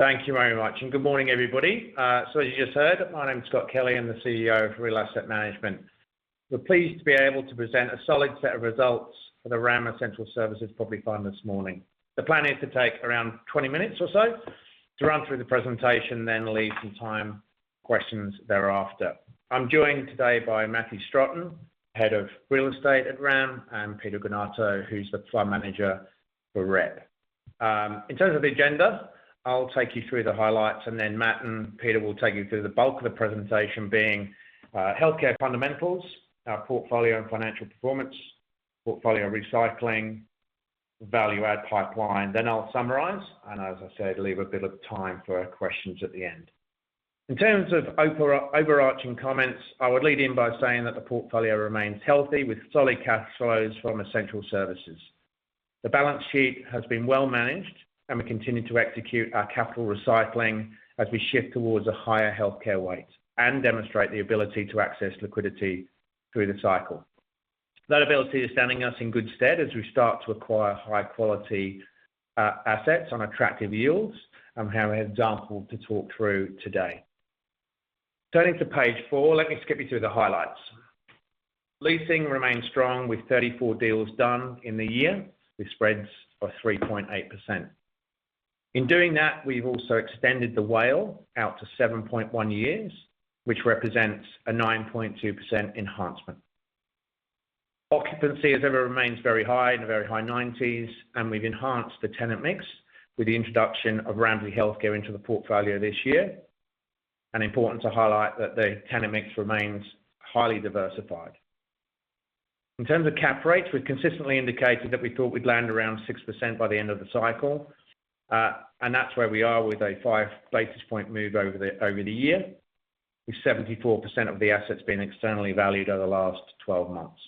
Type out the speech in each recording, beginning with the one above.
Thank you very much, and good morning, everybody. So, as you just heard, my name's Scott Kelly. I'm the CEO of Real Asset Management. We're pleased to be able to present a solid set of results for the RAM Essential Services Property Fund this morning. The plan is to take around 20 minutes or so to run through the presentation, then leave some time for questions thereafter. I'm joined today by Matthew Strotton, Head of Real Estate at RAM, and Peter Granato, who's the Fund Manager for RAM. In terms of the agenda, I'll take you through the highlights, and then Matt and Peter will take you through the bulk of the presentation, being healthcare fundamentals, portfolio and financial performance, portfolio recycling, value-add pipeline. Then I'll summarise, and as I said, leave a bit of time for questions at the end. In terms of overarching comments, I would lead in by saying that the portfolio remains healthy with solid cash flows from essential services. The balance sheet has been well managed, and we continue to execute our capital recycling as we shift towards a higher healthcare weight and demonstrate the ability to access liquidity through the cycle. That ability is standing us in good stead as we start to acquire high-quality assets on attractive yields, and we have an example to talk through today. Turning to page four, let me skip you through the highlights. Leasing remains strong with 34 deals done in the year, with spreads of 3.8%. In doing that, we've also extended the WALE out to 7.1 years, which represents a 9.2% enhancement. Occupancy has ever remained very high, in the very high 90s, and we've enhanced the tenant mix with the introduction of Ramsay Health Care into the portfolio this year. Important to highlight that the tenant mix remains highly diversified. In terms of cap rates, we've consistently indicated that we thought we'd land around 6% by the end of the cycle, and that's where we are with a five basis point move over the year, with 74% of the assets being externally valued over the last 12 months.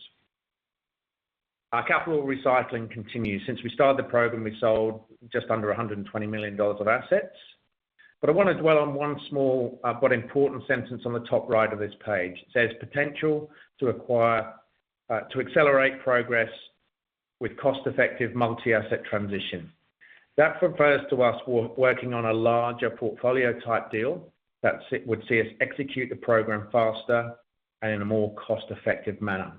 Our capital recycling continues. Since we started the program, we've sold just under 120 million dollars of assets. I want to dwell on one small but important sentence on the top right of this page. It says, "Potential to acquire to accelerate progress with cost-effective multi-asset transition." That refers to us working on a larger portfolio-type deal that would see us execute the program faster and in a more cost-effective manner.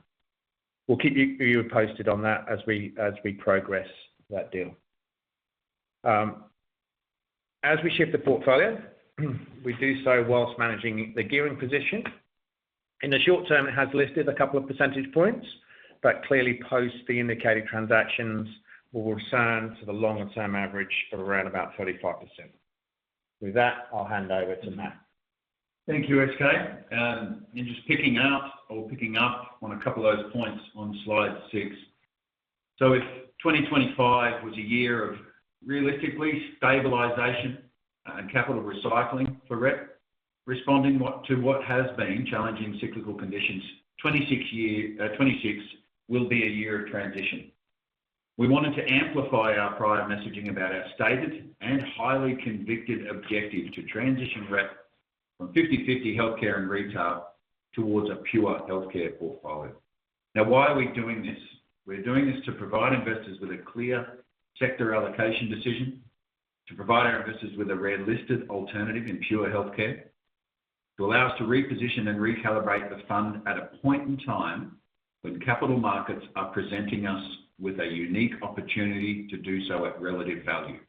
We'll keep you posted on that as we progress that deal. As we shift the portfolio, we do so whilst managing the gearing position. In the short term, it has lifted a couple of percentage points, but clearly post the indicated transactions, we'll return to the longer-term average of around about 35%. With that, I'll hand over to Matt. Thank you, SK. And just picking out or picking up on a couple of those points on slide six. So if 2025 was a year of realistically stabilization and capital recycling for RAM, responding to what has been challenging cyclical conditions, 2026 will be a year of transition. We wanted to amplify our prior messaging about our stated and highly convicted objective to transition RAM from 50/50 healthcare and retail towards a pure healthcare portfolio. Now, why are we doing this? We're doing this to provide investors with a clear sector allocation decision, to provide our investors with a realistic alternative in pure healthcare, to allow us to reposition and recalibrate the fund at a point in time when capital markets are presenting us with a unique opportunity to do so at relative value,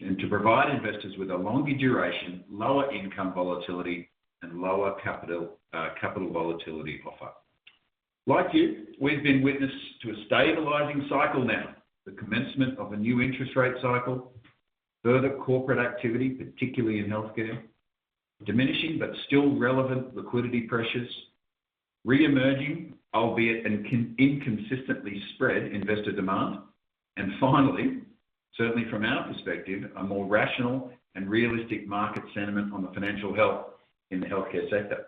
and to provide investors with a longer duration, lower income volatility, and lower capital volatility offer. Like you, we've been witness to a stabilizing cycle now, the commencement of a new interest rate cycle, further corporate activity, particularly in healthcare, diminishing but still relevant liquidity pressures, re-emerging, albeit inconsistently spread investor demand, and finally, certainly from our perspective, a more rational and realistic market sentiment on the financial health in the healthcare sector.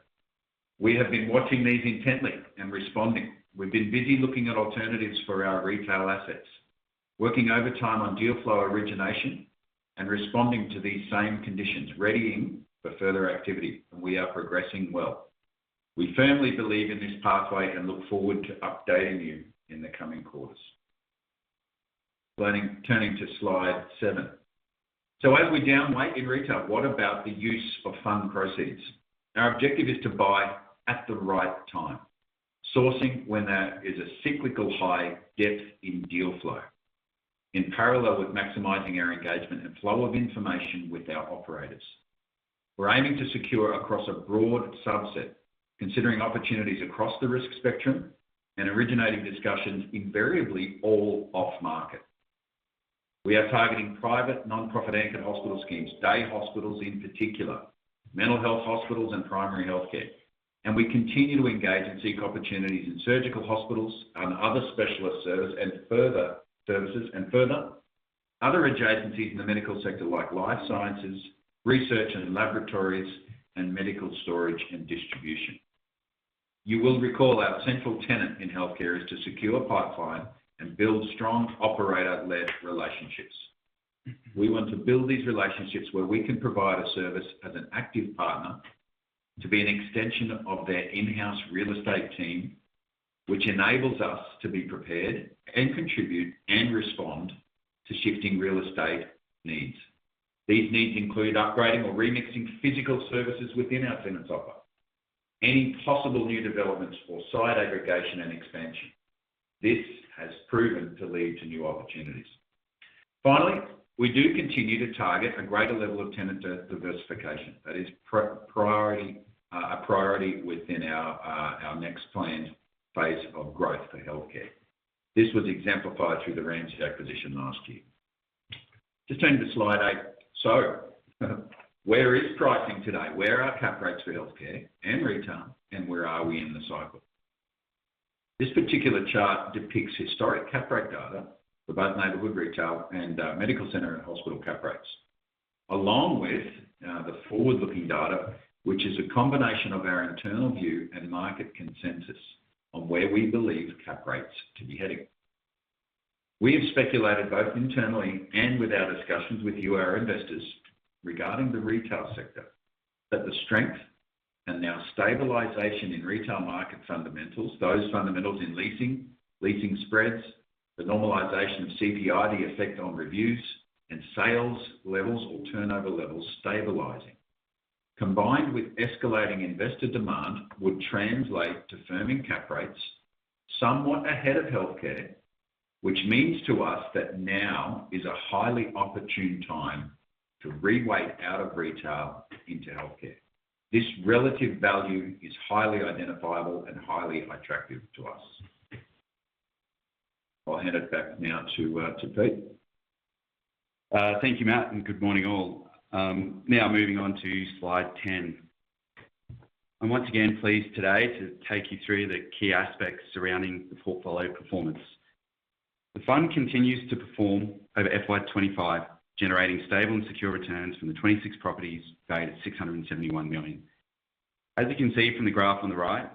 We have been watching these intently and responding. We've been busy looking at alternatives for our retail assets, working overtime on deal flow origination, and responding to these same conditions, readying for further activity, and we are progressing well. We firmly believe in this pathway and look forward to updating you in the coming quarters. Turning to slide seven. So as we downweight in retail, what about the use of fund proceeds? Our objective is to buy at the right time, sourcing when there is a cyclical high depth in deal flow, in parallel with maximizing our engagement and flow of information with our operators. We're aiming to secure across a broad subset, considering opportunities across the risk spectrum and originating discussions invariably all off-market. We are targeting private, non-profit anchored hospital schemes, day hospitals in particular, mental health hospitals and primary healthcare, and we continue to engage and seek opportunities in surgical hospitals and other specialist services and further services and further other adjacencies in the medical sector like life sciences, research and laboratories, and medical storage and distribution. You will recall our central tenet in healthcare is to secure pipeline and build strong operator-led relationships. We want to build these relationships where we can provide a service as an active partner to be an extension of their in-house real estate team, which enables us to be prepared and contribute and respond to shifting real estate needs. These needs include upgrading or remixing physical services within our tenants' offer, any possible new developments or site aggregation and expansion. This has proven to lead to new opportunities. Finally, we do continue to target a greater level of tenant diversification. That is a priority within our next planned phase of growth for healthcare. This was exemplified through the Ramsay acquisition last year. Just turning to slide eight. So where is pricing today? Where are cap rates for healthcare and retail, and where are we in the cycle? This particular chart depicts historic cap rate data for both neighborhood retail and medical center and hospital cap rates, along with the forward-looking data, which is a combination of our internal view and market consensus on where we believe cap rates to be heading. We have speculated both internally and with our discussions with you, our investors, regarding the retail sector, that the strength and now stabilization in retail market fundamentals, those fundamentals in leasing, leasing spreads, the normalization of CPI, the effect on reviews, and sales levels or turnover levels stabilizing, combined with escalating investor demand, would translate to firming cap rates somewhat ahead of healthcare, which means to us that now is a highly opportune time to reweight out of retail into healthcare. This relative value is highly identifiable and highly attractive to us. I'll hand it back now to Pete. Thank you, Matt, and good morning all. Now moving on to slide ten. I'm once again pleased today to take you through the key aspects surrounding the portfolio performance. The fund continues to perform over FY25, generating stable and secure returns from the 26 properties valued at 671 million. As you can see from the graph on the right,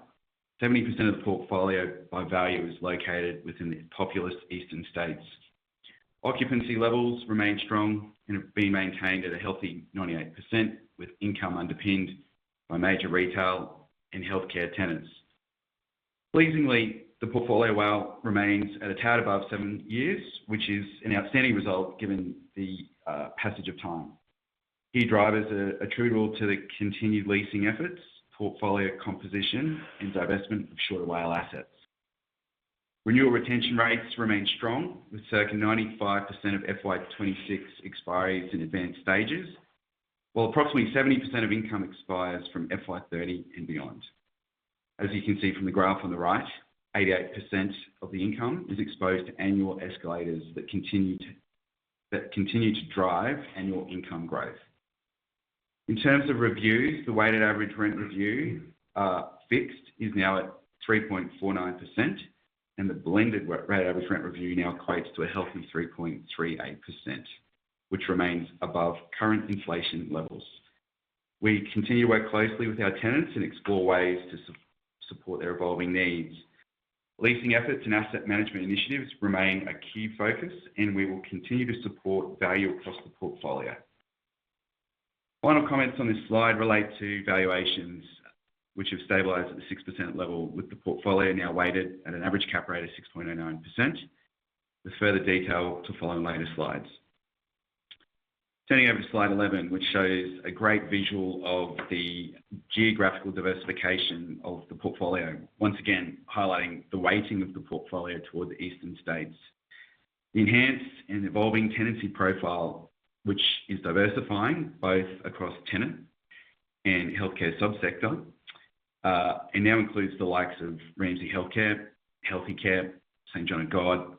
70% of the portfolio by value is located within the populous Eastern States. Occupancy levels remain strong and have been maintained at a healthy 98%, with income underpinned by major retail and healthcare tenants. Pleasingly, the portfolio WALE remains at a tad above seven years, which is an outstanding result given the passage of time. Key drivers are attributable to the continued leasing efforts, portfolio composition, and divestment of shorter WALE assets. Renewal retention rates remain strong, with circa 95% of FY26 expiries in advanced stages, while approximately 70% of income expires from FY30 and beyond. As you can see from the graph on the right, 88% of the income is exposed to annual escalators that continue to drive annual income growth. In terms of reviews, the weighted average rent review fixed is now at 3.49%, and the blended rate average rent review now equates to a healthy 3.38%, which remains above current inflation levels. We continue to work closely with our tenants and explore ways to support their evolving needs. Leasing efforts and asset management initiatives remain a key focus, and we will continue to support value across the portfolio. Final comments on this slide relate to valuations, which have stabilized at the 6% level, with the portfolio now weighted at an average cap rate of 6.09%. With further detail to follow in later slides. Turning over to slide 11, which shows a great visual of the geographical diversification of the portfolio, once again highlighting the weighting of the portfolio towards Eastern States. The enhanced and evolving tenancy profile, which is diversifying both across tenant and healthcare subsector, now includes the likes of Ramsay Health Care, Healthe Care, St John of God,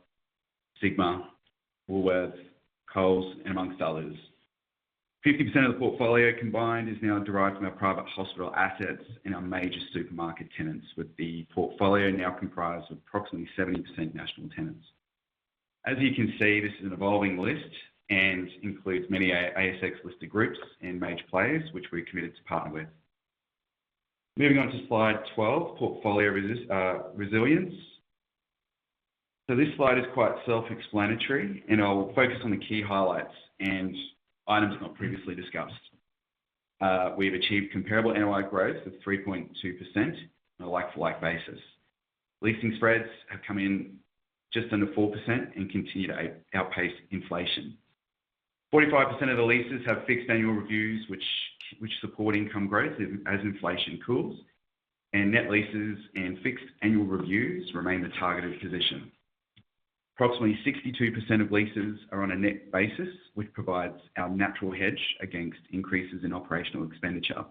Sigma, Woolworths, Coles, and among others. 50% of the portfolio combined is now derived from our private hospital assets and our major supermarket tenants, with the portfolio now comprised of approximately 70% national tenants. As you can see, this is an evolving list and includes many ASX-listed groups and major players which we're committed to partner with. Moving on to slide 12, portfolio resilience. So this slide is quite self-explanatory, and I'll focus on the key highlights and items not previously discussed. We've achieved comparable annual growth of 3.2% on a like-for-like basis. Leasing spreads have come in just under 4% and continue to outpace inflation. 45% of the leases have fixed annual reviews, which support income growth as inflation cools, and net leases and fixed annual reviews remain the targeted position. Approximately 62% of leases are on a net basis, which provides our natural hedge against increases in operational expenditure.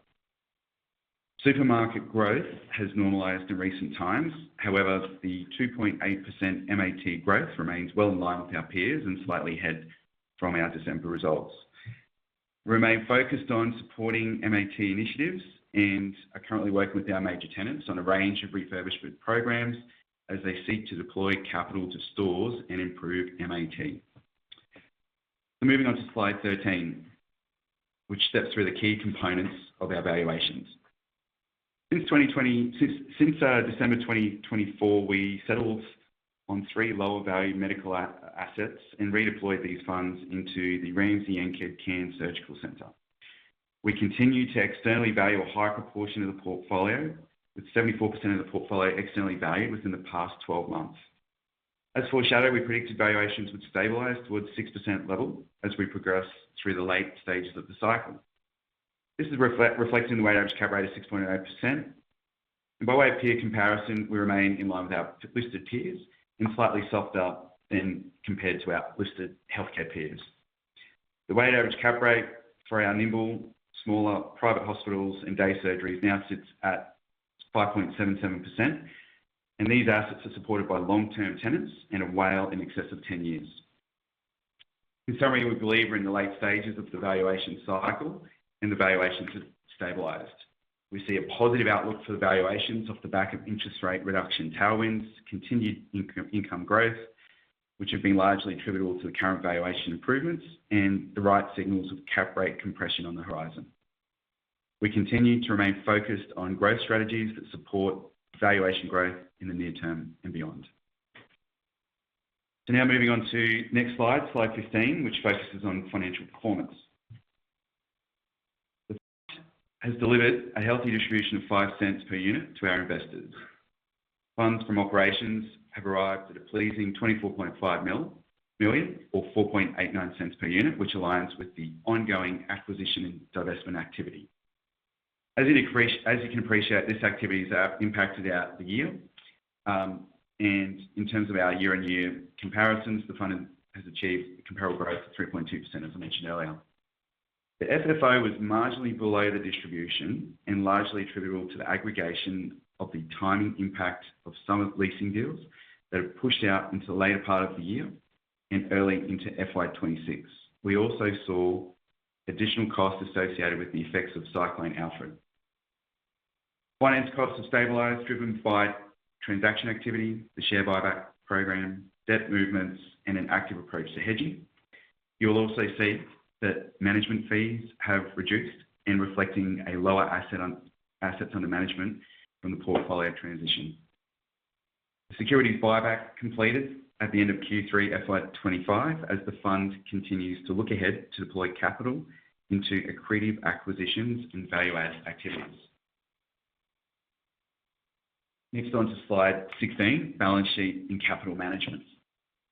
Supermarket growth has normalized in recent times. However, the 2.8% MAT growth remains well in line with our peers and slightly ahead from our December results. We remain focused on supporting MAT initiatives and are currently working with our major tenants on a range of refurbishment programs as they seek to deploy capital to stores and improve MAT. Moving on to slide 13, which steps through the key components of our valuations. Since December 2024, we settled on three lower-value medical assets and redeployed these funds into the Ramsay Anchored Care and Surgical Centre. We continue to externally value a high proportion of the portfolio, with 74% of the portfolio externally valued within the past 12 months. As foreshadowed, we predicted valuations would stabilize towards 6% level as we progress through the late stages of the cycle. This is reflected in the weighted average cap rate of 6.08%, and by way of peer comparison, we remain in line with our listed peers and slightly softer than compared to our listed healthcare peers. The weighted average cap rate for our nimble, smaller private hospitals and day surgeries now sits at 5.77%, and these assets are supported by long-term tenants and a WALE in excess of 10 years. In summary, we believe we're in the late stages of the valuation cycle and the valuations have stabilized. We see a positive outlook for the valuations off the back of interest rate reduction tailwinds, continued income growth, which have been largely attributable to the current valuation improvements, and the right signals of cap rate compression on the horizon. We continue to remain focused on growth strategies that support valuation growth in the near term and beyond. So now moving on to next slide, slide 15, which focuses on financial performance. The fund has delivered a healthy distribution of 0.05 per unit to our investors. Funds From Operations have arrived at a pleasing 24.5 million or 0.0489 per unit, which aligns with the ongoing acquisition and divestment activity. As you can appreciate, this activity has impacted throughout the year, and in terms of our year-on-year comparisons, the fund has achieved comparable growth of 3.2%, as I mentioned earlier. The FFO was marginally below the distribution and largely attributable to the aggregation of the timing impact of some leasing deals that have pushed out into the later part of the year and early into FY26. We also saw additional costs associated with the effects of cyclone Alfred. Finance costs have stabilized driven by transaction activity, the share buyback program, debt movements, and an active approach to hedging. You'll also see that management fees have reduced, reflecting a lower assets under management from the portfolio transition. The securities buyback completed at the end of Q3 FY25 as the fund continues to look ahead to deploy capital into accretive acquisitions and value-add activities. Next on to slide 16, balance sheet and capital management.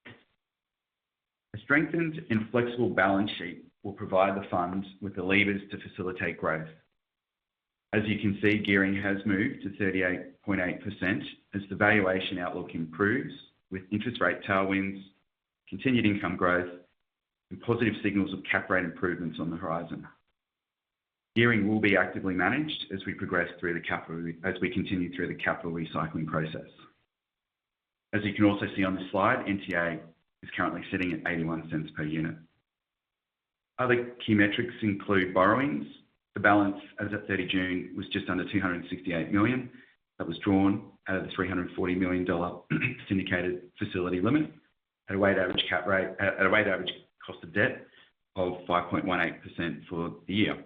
A strengthened and flexible balance sheet will provide the fund with the levers to facilitate growth. As you can see, gearing has moved to 38.8% as the valuation outlook improves with interest rate tailwinds, continued income growth, and positive signals of cap rate improvements on the horizon. Gearing will be actively managed as we progress through the cap, as we continue through the capital recycling process. As you can also see on the slide, NTA is currently sitting at 0.81 per unit. Other key metrics include borrowings. The balance as of 30 June was just under 268 million. That was drawn out of the 340 million dollar syndicated facility limit at a weighted average cost of debt of 5.18% for the year.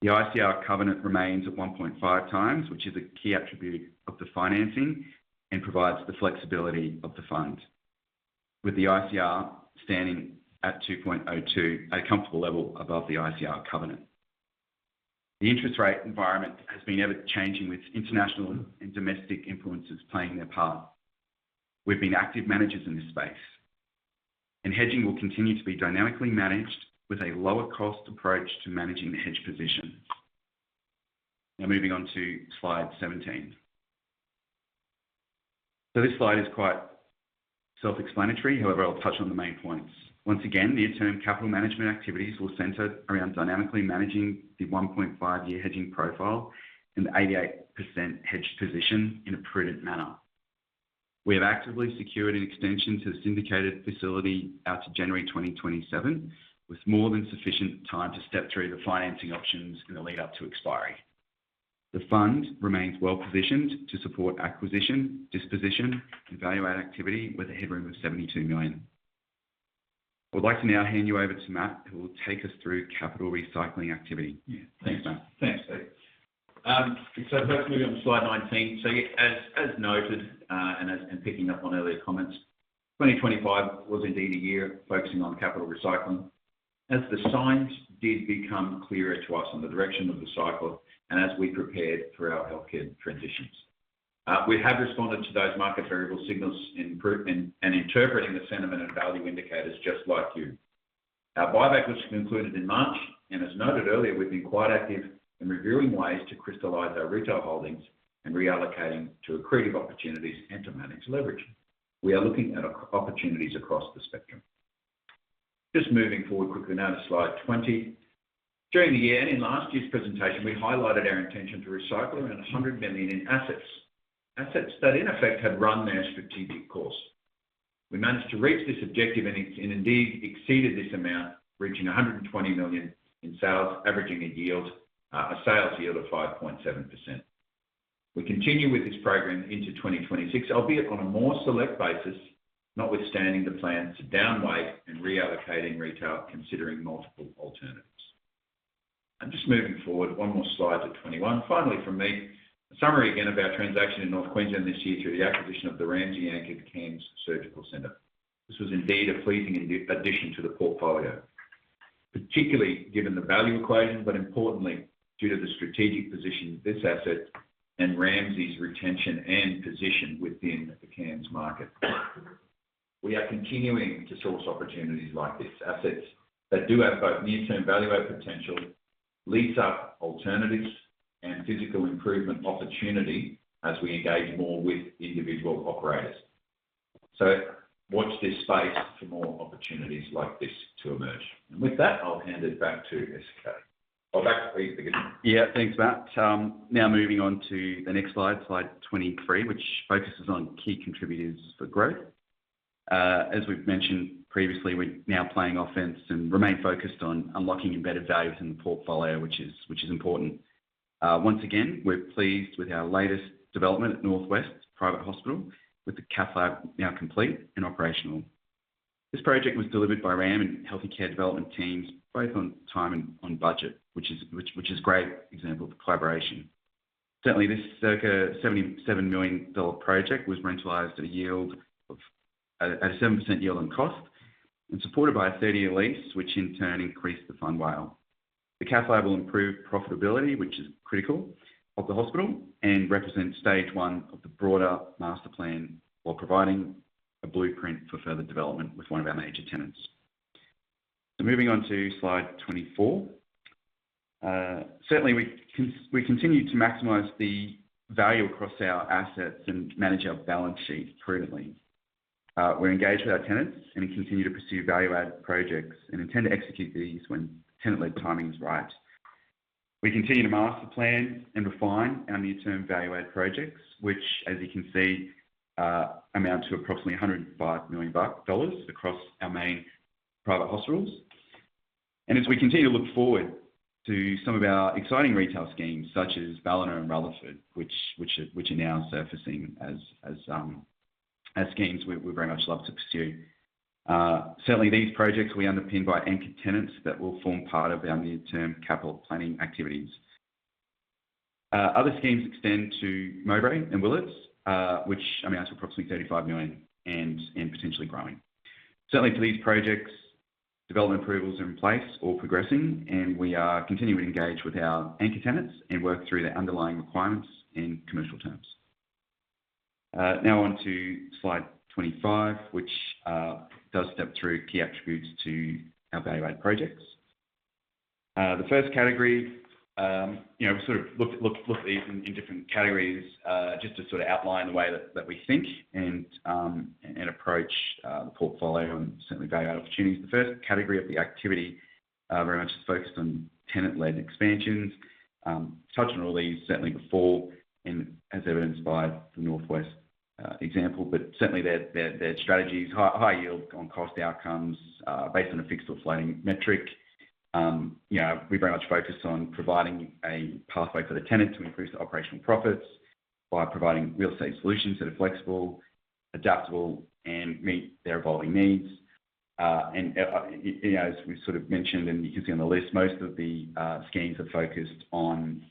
The ICR covenant remains at 1.5 times, which is a key attribute of the financing and provides the flexibility of the fund, with the ICR standing at 2.02, a comfortable level above the ICR covenant. The interest rate environment has been ever-changing, with international and domestic influences playing their part. We've been active managers in this space, and hedging will continue to be dynamically managed with a lower-cost approach to managing the hedge position. Now moving on to slide 17. So this slide is quite self-explanatory. However, I'll touch on the main points. Once again, near-term capital management activities will center around dynamically managing the 1.5-year hedging profile and the 88% hedged position in a prudent manner. We have actively secured an extension to the syndicated facility out to January 2027, with more than sufficient time to step through the financing options in the lead-up to expiry. The fund remains well-positioned to support acquisition, disposition, and value-add activity with a headroom of 72 million. I would like to now hand you over to Matt, who will take us through capital recycling activity. Thanks, Matt. Thanks, Pete. So first, moving on to slide 19. So as noted and picking up on earlier comments, 2025 was indeed a year focusing on capital recycling. As the signs did become clearer to us on the direction of the cycle and as we prepared for our healthcare transitions, we have responded to those market variable signals and interpreting the sentiment and value indicators just like you. Our buyback was concluded in March, and as noted earlier, we've been quite active in reviewing ways to crystallize our retail holdings and reallocating to accretive opportunities and to manage leverage. We are looking at opportunities across the spectrum. Just moving forward quickly now to slide 20. During the year and in last year's presentation, we highlighted our intention to recycle around 100 million in assets, assets that in effect had run their strategic course. We managed to reach this objective and indeed exceeded this amount, reaching 120 million in sales, averaging a sales yield of 5.7%. We continue with this program into 2026, albeit on a more select basis, notwithstanding the plans to downweight and reallocate in retail, considering multiple alternatives, and just moving forward, one more slide to 21. Finally, from me, a summary again of our transaction in North Queensland this year through the acquisition of the Ramsay-anchored Care and Surgical Centre. This was indeed a pleasing addition to the portfolio, particularly given the value equation, but importantly, due to the strategic position of this asset and Ramsay's retention and position within the care market. We are continuing to source opportunities like these assets that do have both near-term value-add potential, lease-up alternatives, and physical improvement opportunity as we engage more with individual operators. So watch this space for more opportunities like this to emerge. And with that, I'll hand it back to Chris Cartrett. Yeah, thanks, Matt. Now moving on to the next slide, slide 23, which focuses on key contributors for growth. As we've mentioned previously, we're now playing offense and remain focused on unlocking embedded values in the portfolio, which is important. Once again, we're pleased with our latest development at North West Private Hospital, with the CAFA now complete and operational. This project was delivered by RAM and Healthe Care development teams, both on time and on budget, which is a great example of collaboration. Certainly, this circa 77 million dollar project was rentalized at a 7% yield on cost and supported by a 30-year lease, which in turn increased the fund WALE. The CAFA will improve profitability, which is critical of the hospital and represents stage one of the broader master plan while providing a blueprint for further development with one of our major tenants. So moving on to slide 24. Certainly, we continue to maximize the value across our assets and manage our balance sheet prudently. We're engaged with our tenants and continue to pursue value-add projects and intend to execute these when tenant-led timing is right. We continue to master plan and refine our near-term value-add projects, which, as you can see, amount to approximately 105 million dollars across our main private hospitals. As we continue to look forward to some of our exciting retail schemes, such as Ballina and Rutherford, which are now surfacing as schemes we very much love to pursue. Certainly, these projects will be underpinned by anchor tenants that will form part of our near-term capital planning activities. Other schemes extend to Mowbray and Willetton, which amount to approximately 35 million and potentially growing. Certainly, for these projects, development approvals are in place or progressing, and we are continuing to engage with our anchor tenants and work through their underlying requirements and commercial terms. Now on to slide 25, which does step through key attributes to our value-add projects. The first category, we sort of looked at these in different categories just to sort of outline the way that we think and approach the portfolio and certainly value-add opportunities. The first category of the activity very much is focused on tenant-led expansions. Touched on all these certainly before and as evidenced by the North West example, but certainly their strategy is high yield on cost outcomes based on a fixed or floating metric. We very much focus on providing a pathway for the tenant to increase operational profits by providing real estate solutions that are flexible, adaptable, and meet their evolving needs. And as we sort of mentioned, and you can see on the list, most of the schemes are focused on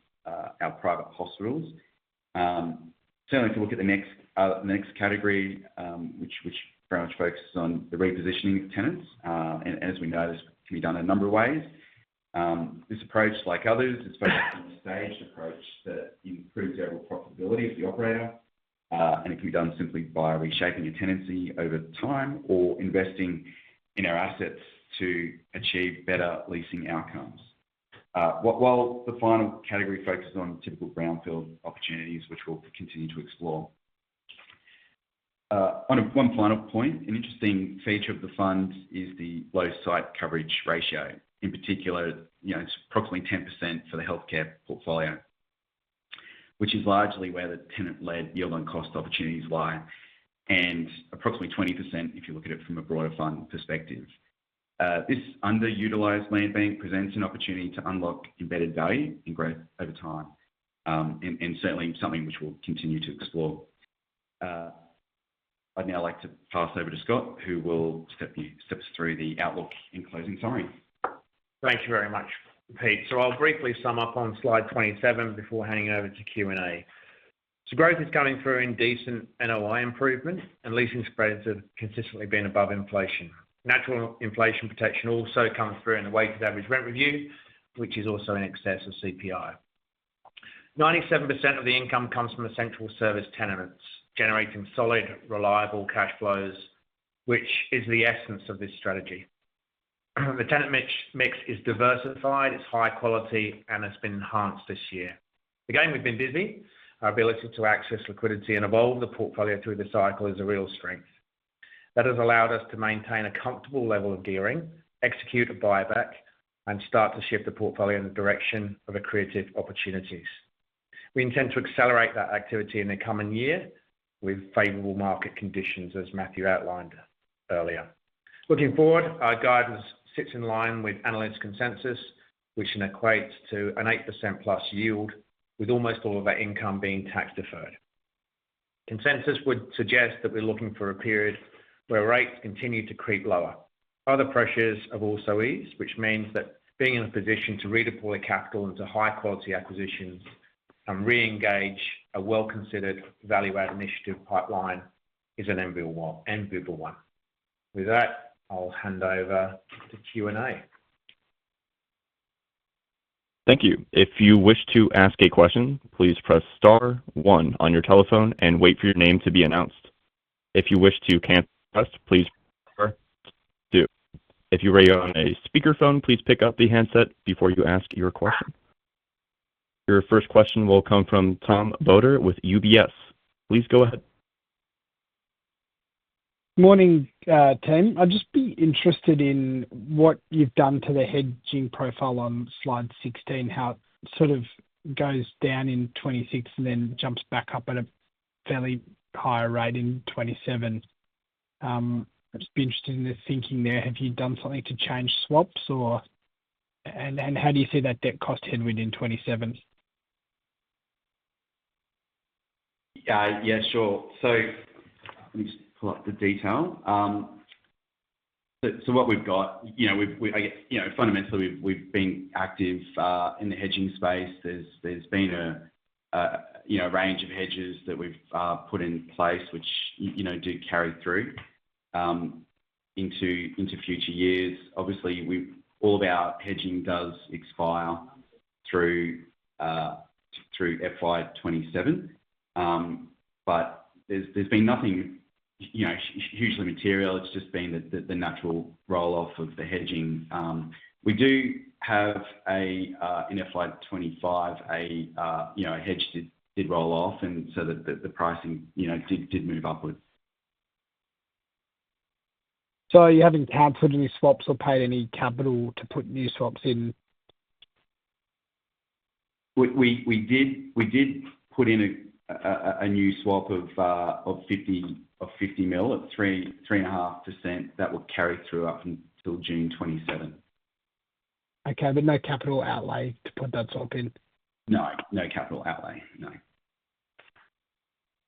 our private hospitals. Certainly, if you look at the next category, which very much focuses on the repositioning of tenants, and as we know, this can be done in a number of ways. This approach, like others, is focused on a staged approach that improves overall profitability of the operator, and it can be done simply by reshaping a tenancy over time or investing in our assets to achieve better leasing outcomes. While the final category focuses on typical brownfield opportunities, which we'll continue to explore. On one final point, an interesting feature of the fund is the low site coverage ratio. In particular, it's approximately 10% for the healthcare portfolio, which is largely where the tenant-led yield on cost opportunities lie, and approximately 20% if you look at it from a broader fund perspective. This underutilized land bank presents an opportunity to unlock embedded value and growth over time, and certainly something which we'll continue to explore. I'd now like to pass over to Scott, who will step through the outlook in closing. Sorry. Thank you very much, Pete. So I'll briefly sum up on slide 27 before handing over to Q&A. So growth is coming through in decent NOI improvement, and leasing spreads have consistently been above inflation. Natural inflation protection also comes through in the weighted average rent review, which is also in excess of CPI. 97% of the income comes from essential service tenants, generating solid, reliable cash flows, which is the essence of this strategy. The tenant mix is diversified, it's high quality, and it's been enhanced this year. Again, we've been busy. Our ability to access liquidity and evolve the portfolio through the cycle is a real strength. That has allowed us to maintain a comfortable level of gearing, execute a buyback, and start to shift the portfolio in the direction of accretive opportunities. We intend to accelerate that activity in the coming year with favorable market conditions, as Matthew outlined earlier. Looking forward, our guidance sits in line with analyst Consensus, which equates to an 8% plus yield, with almost all of our income being tax-deferred. Consensus would suggest that we're looking for a period where rates continue to creep lower. Other pressures have also eased, which means that being in a position to redeploy capital into high-quality acquisitions and re-engage a well-considered value-add initiative pipeline is an enviable one. With that, I'll hand over to Q&A. Thank you. If you wish to ask a question, please press star one on your telephone and wait for your name to be announced. If you wish to cancel a request, please press star two. If you are on a speakerphone, please pick up the handset before you ask your question. Your first question will come from Tom Beadle with UBS. Please go ahead. Morning, Tim. I'd just be interested in what you've done to the hedging profile on slide 16, how it sort of goes down in 2026 and then jumps back up at a fairly high rate in 2027. I'd just be interested in the thinking there. Have you done something to change swaps, or how do you see that debt cost headwind in 2027? Yeah, sure. So let me just pull up the detail. So what we've got, I guess fundamentally, we've been active in the hedging space. There's been a range of hedges that we've put in place, which do carry through into future years. Obviously, all of our hedging does expire through FY27, but there's been nothing hugely material. It's just been the natural roll-off of the hedging. We do have in FY25, a hedge did roll off, and so the pricing did move upwards. So you haven't cancelled any swaps or paid any capital to put new swaps in? We did put in a new swap of 50 million at 3.5% that will carry through up until June 27. Okay, but no capital outlay to put that swap in? No, no capital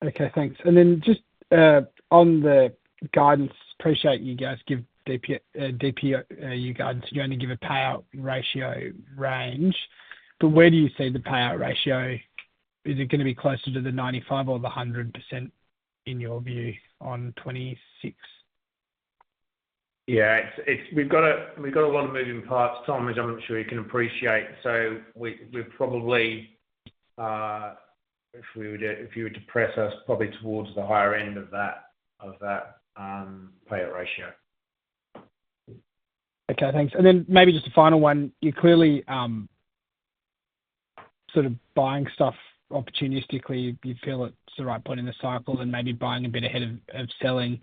outlay, no. Okay, thanks. And then just on the guidance, appreciate you guys give DPU guidance. You only give a payout ratio range. But where do you see the payout ratio? Is it going to be closer to the 95% or the 100% in your view on 26? Yeah, we've got a lot of moving parts. Tom, as I'm sure you can appreciate. So we're probably, if you were to press us, probably towards the higher end of that payout ratio. Okay, thanks. And then maybe just a final one. You're clearly sort of buying stuff opportunistically. You feel it's the right point in the cycle and maybe buying a bit ahead of selling.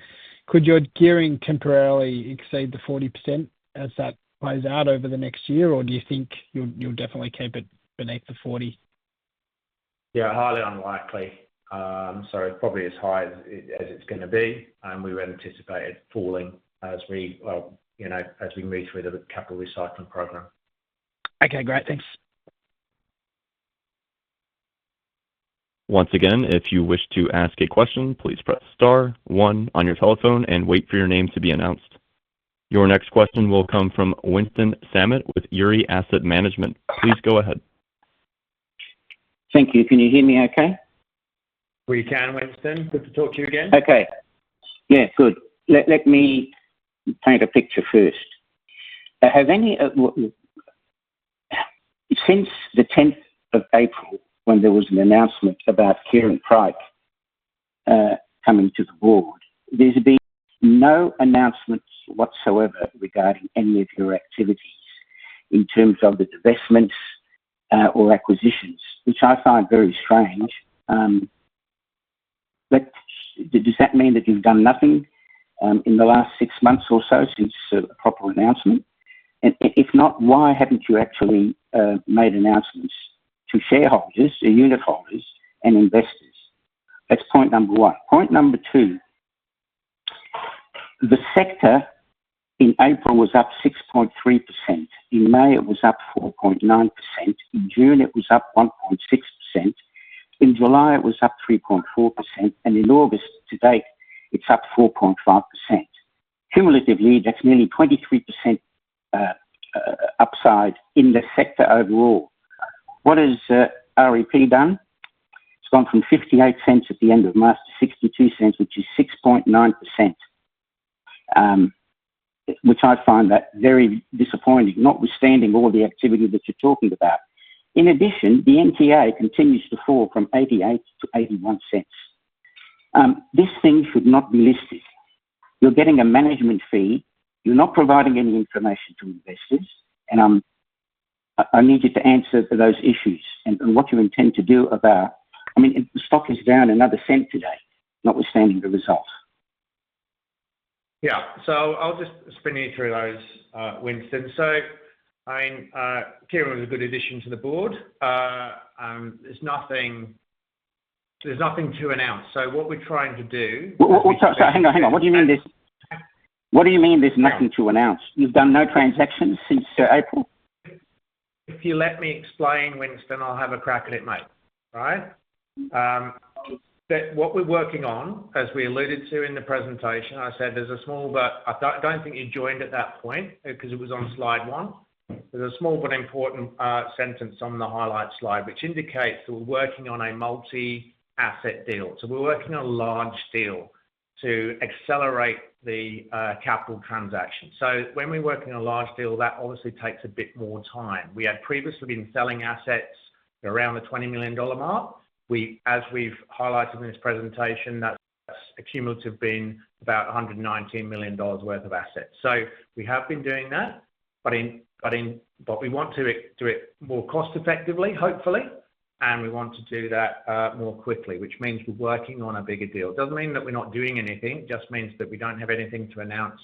Could your gearing temporarily exceed the 40% as that plays out over the next year, or do you think you'll definitely keep it beneath the 40%? Yeah, highly unlikely. So probably as high as it's going to be. And we would anticipate it falling as we move through the capital recycling program. Okay, great. Thanks. Once again, if you wish to ask a question, please press star one on your telephone and wait for your name to be announced. Your next question will come from Winston Sammut with E&P Financial Group. Please go ahead. Thank you. Can you hear me okay? We can, Winston. Good to talk to you again. Okay. Yeah, good. Let me paint a picture first. Since the 10th of April, when there was an announcement about Kieran Pryke coming to the board, there's been no announcements whatsoever regarding any of your activities in terms of the investments or acquisitions, which I find very strange. But does that mean that you've done nothing in the last six months or so since a proper announcement? And if not, why haven't you actually made announcements to shareholders, unit holders, and investors? That's point number one. Point number two, the sector in April was up 6.3%. In May, it was up 4.9%. In June, it was up 1.6%. In July, it was up 3.4%. And in August to date, it's up 4.5%. Cumulatively, that's nearly 23% upside in the sector overall. What has REP done? It's gone from 0.58 at the end of March to 0.62, which is 6.9%, which I find very disappointing, notwithstanding all the activity that you're talking about. In addition, the NTA continues to fall from 0.88 to 0.81. This thing should not be listed. You're getting a management fee. You're not providing any information to investors. And I need you to answer those issues and what you intend to do about, I mean, the stock is down another cent today, notwithstanding the results. Yeah. So I'll just spin you through those, Winston. So I mean, Kieran was a good addition to the board. There's nothing to announce. So what we're trying to do. Sorry, hang on, hang on. What do you mean this? What do you mean there's nothing to announce? You've done no transactions since April? If you let me explain, Winston, I'll have a crack at it, mate, all right? But what we're working on, as we alluded to in the presentation, I said there's a small, but I don't think you joined at that point because it was on slide one. There's a small but important sentence on the highlight slide, which indicates that we're working on a multi-asset deal. So we're working on a large deal to accelerate the capital transaction. So when we're working on a large deal, that obviously takes a bit more time. We had previously been selling assets around the 20 million dollar mark. As we've highlighted in this presentation, that's a cumulative being about 119 million dollars worth of assets. So we have been doing that, but we want to do it more cost-effectively, hopefully, and we want to do that more quickly, which means we're working on a bigger deal. It doesn't mean that we're not doing anything. It just means that we don't have anything to announce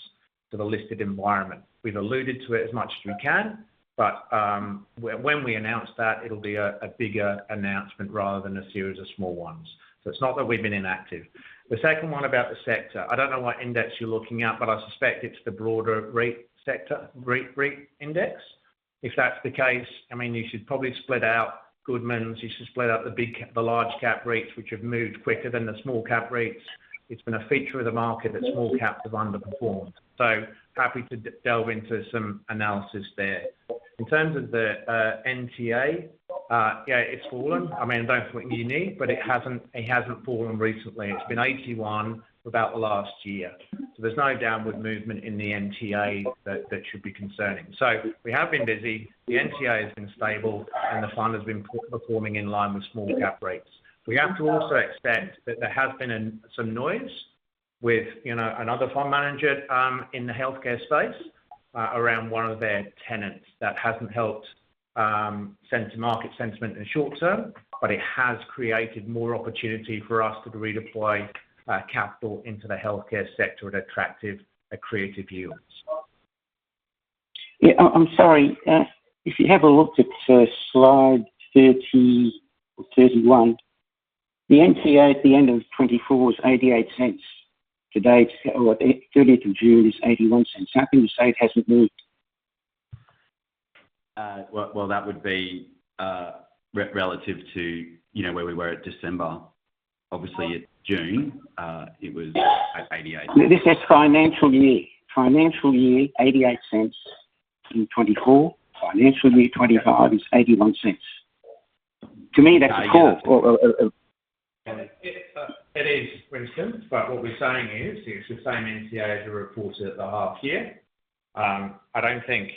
to the listed environment. We've alluded to it as much as we can, but when we announce that, it'll be a bigger announcement rather than a series of small ones. So it's not that we've been inactive. The second one about the sector, I don't know what index you're looking at, but I suspect it's the broader REIT sector, REIT index. If that's the case, I mean, you should probably split out Goodman. You should split out the large-cap REITs, which have moved quicker than the small-cap REITs. It's been a feature of the market that small-caps have underperformed. So happy to delve into some analysis there. In terms of the NTA, yeah, it's fallen. I mean, I don't think you need, but it hasn't fallen recently. It's been 81 for about the last year. So there's no downward movement in the NTA that should be concerning. So we have been busy. The NTA has been stable, and the fund has been performing in line with small-cap REITs. We have to also accept that there has been some noise with another fund manager in the healthcare space around one of their tenants. That hasn't helped market sentiment in the short term, but it has created more opportunity for us to redeploy capital into the healthcare sector at attractive, accretive yields. Yeah, I'm sorry. If you have a look at slide 30 or 31, the NTA at the end of 2024 was 0.88. Today, 30th of June is 0.81. How can you say it hasn't moved? That would be relative to where we were at December. Obviously, in June, it was 88. Financial year 2024, AUD 0.88. Financial year 2025 is 0.81. To me, that's a call. It is, Winston. But what we're saying is, it's the same NTA as we reported at the half-year. I don't think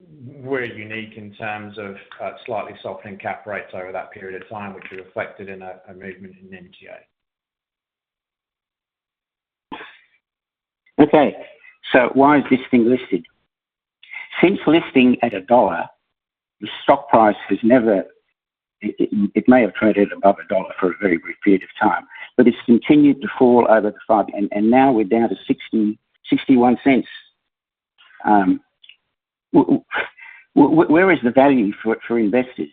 we're unique in terms of slightly softening cap rates over that period of time, which are reflected in a movement in NTA. Okay. So why is this thing listed? Since listing at AUD 1, the stock price has never, it may have traded above AUD 1 for a very brief period of time, but it's continued to fall over the five years, and now we're down to 0.61. Where is the value for investors?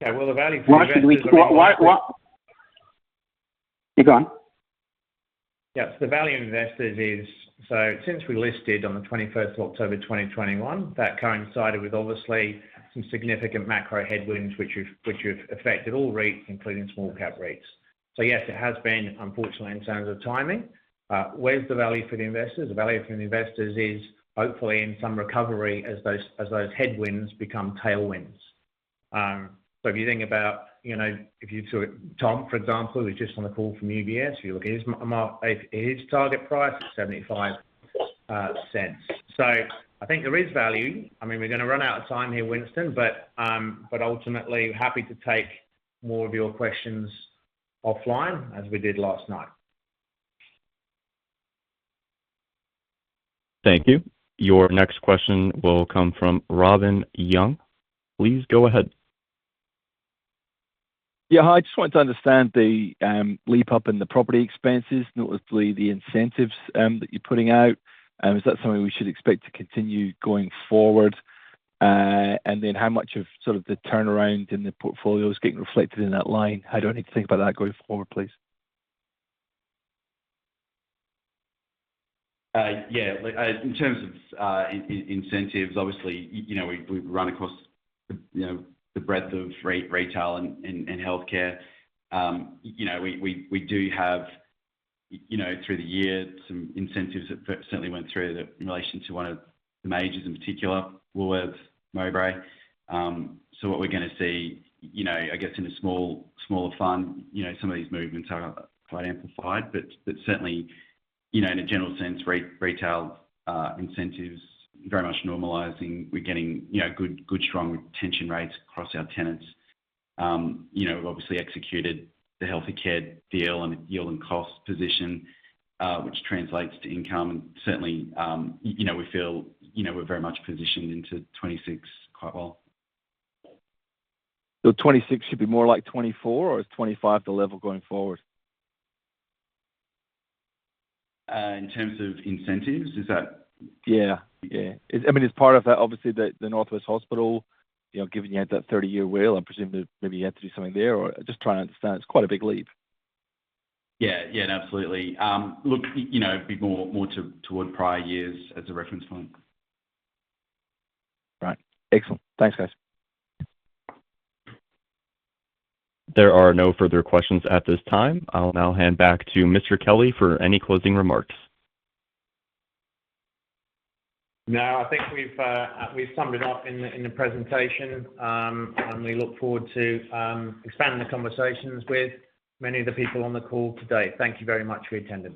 Yeah, well, the value for investors is. Why should we? You're going. Yes, the value of investors is, so since we listed on the 21st of October 2021, that coincided with obviously some significant macro headwinds, which have affected all REITs, including small-cap REITs. So yes, it has been, unfortunately, in terms of timing. Where's the value for the investors? The value for investors is hopefully in some recovery as those headwinds become tailwinds. So if you think about, if you took Tom, for example, who was just on the call from UBS, if you look at his target price, it's 0.75. So I think there is value. I mean, we're going to run out of time here, Winston, but ultimately, happy to take more of your questions offline as we did last night. Thank you. Your next question will come from Robin Young. Please go ahead. Yeah, I just wanted to understand the leap up in the property expenses, notwithstanding the incentives that you're putting out. Is that something we should expect to continue going forward? And then how much of sort of the turnaround in the portfolio is getting reflected in that line? I don't need to think about that going forward, please. Yeah, in terms of incentives, obviously, we've run across the breadth of retail and healthcare. We do have, through the year, some incentives that certainly went through in relation to one of the majors in particular, Woolworths, Mowbray. So what we're going to see, I guess, in a smaller fund, some of these movements are quite amplified. But certainly, in a general sense, retail incentives are very much normalizing. We're getting good, strong retention rates across our tenants. We've obviously executed the Healthe Care deal and yield and cost position, which translates to income. And certainly, we feel we're very much positioned into 2026 quite well. 2026 should be more like 2024, or is 2025 the level going forward? In terms of incentives, is that? Yeah, yeah. I mean, it's part of that, obviously, the North West Private Hospital, giving you that 30-year WALE. I presume that maybe you had to do something there, or just trying to understand. It's quite a big leap. Yeah, yeah, absolutely. Look, it'd be more toward prior years as a reference point. Right. Excellent. Thanks, guys. There are no further questions at this time. I'll now hand back to Mr. Kelly for any closing remarks. No, I think we've summed it up in the presentation, and we look forward to expanding the conversations with many of the people on the call today. Thank you very much for your attention.